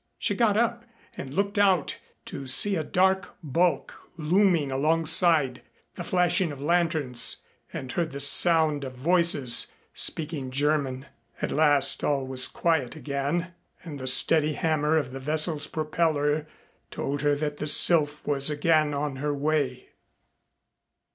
She got up and looked out to see a dark bulk looming alongside, the flashing of lanterns, and heard the sound of voices speaking German. At last all was quiet again, and the steady hammer of the vessel's propeller told her that the Sylph was again on her way.